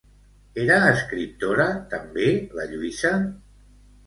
Era escriptora, també, la Lluïsa?